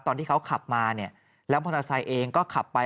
ตอนที่เขาขับมาเนี่ยแล้วมอเตอร์ไซค์เองก็ขับไป